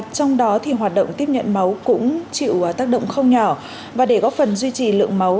trong đó thì hoạt động tiếp nhận máu cũng chịu tác động không nhỏ và để góp phần duy trì lượng máu